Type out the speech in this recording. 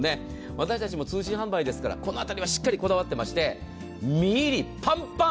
私たちも通信販売ですからこの辺りはこだわっていまして身入りパンパン。